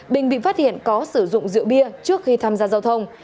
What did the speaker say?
bình bị phát hiện có sử dụng rượu bia trước khi tham gia giao thông